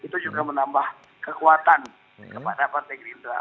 itu juga menambah kekuatan kepada partai gerindra